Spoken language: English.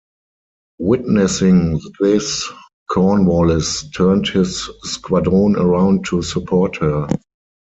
Witnessing this, Cornwallis turned his squadron around to support her.